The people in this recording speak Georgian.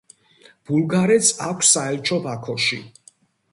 ბულგარეთს აქვს საელჩო ბაქოში.